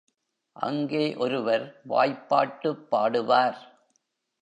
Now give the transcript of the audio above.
அங்கே ஒருவர் வாய்ப்பாட்டுப் பாடுவார்.